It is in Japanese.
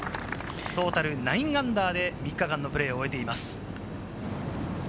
トータル−９で３日間のプレーを終えています。